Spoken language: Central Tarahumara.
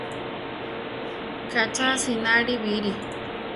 Ka cha asináli bíri!